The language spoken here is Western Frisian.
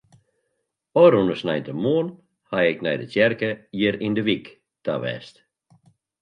Ofrûne sneintemoarn haw ik nei de tsjerke hjir yn de wyk ta west.